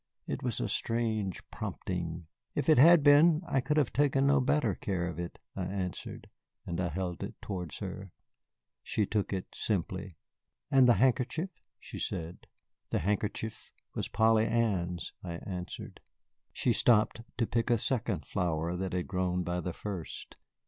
It was a strange prompting. "If it had been, I could have taken no better care of it," I answered, and I held it towards her. She took it simply. "And the handkerchief?" she said. "The handkerchief was Polly Ann's," I answered. She stopped to pick a second flower that had grown by the first.